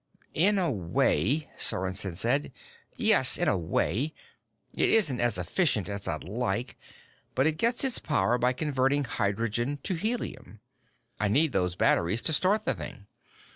"In a way," Sorensen said. "Yes, in a way. It isn't as efficient as I'd like, but it gets its power by converting hydrogen to helium. I need those batteries to start the thing.